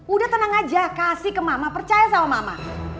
udah tenang aja kasih ke mama percaya sama mama